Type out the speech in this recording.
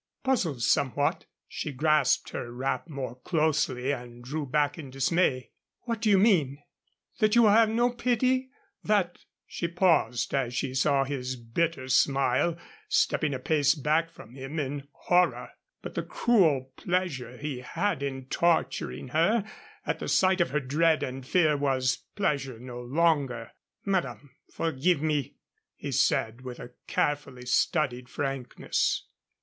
Puzzled somewhat, she grasped her wrap more closely and drew back in dismay. "What do you mean? That you will have no pity, that " She paused as she saw his bitter smile, stepping a pace back from him in horror. But the cruel pleasure he had in torturing her, at the sight of her dread and fear was pleasure no longer. "Madame, forgive me," he said, with a carefully studied frankness.